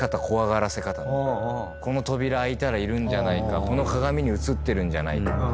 この扉開いたらいるんじゃこの鏡に映ってるんじゃないか。